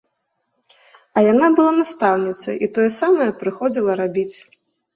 А яна была настаўніцай і тое самае прыходзіла рабіць.